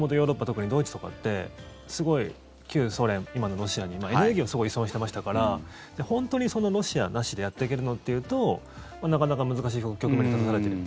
特にドイツとかってすごい旧ソ連、今のロシアにエネルギーをすごい依存してましたから本当にそのロシアなしでやっていけるのっていうとなかなか難しい局面に立たされている。